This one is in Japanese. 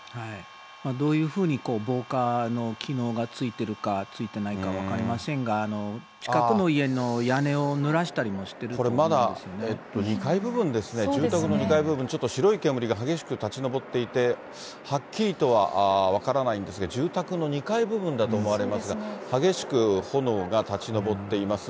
どういうふうに防火の機能がついてるか、ついてないか分かりませんが、近くの家の屋根を濡らしたりもしてこれまだ、２階部分ですね、住宅の２階の部分、白い煙が激しく立ち上っていて、はっきりとは分からないんですが、住宅の２階部分だと思われますが、激しく炎が立ち上っています。